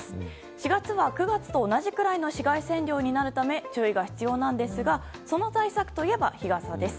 ４月は９月と同じくらいの紫外線量になるため注意が必要なんですがその対策といえば日傘です。